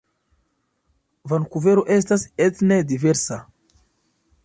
Vankuvero estas etne diversa.